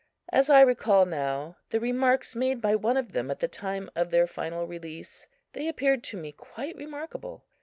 As I recall now the remarks made by one of them at the time of their final release, they appear to me quite remarkable.